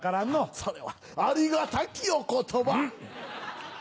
それはありがたきお言葉。